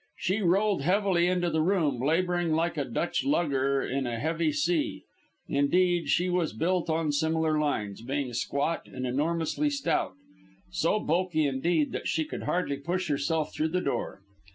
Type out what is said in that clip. She rolled heavily into the room, labouring like a Dutch lugger in a heavy sea. Indeed, she was built on similar lines, being squat and enormously stout so bulky, indeed, that she could hardly push herself through the door.